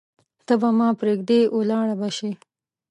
ته به ما پریږدې ولاړه به شې